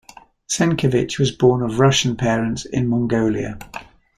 Senkevich was born of Russian parents in Mongolia.